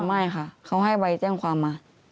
ไม่ค่ะเขาให้ใบแจ้งความมา